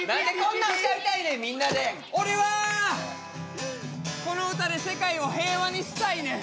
俺はこの歌で世界を平和にしたいねん。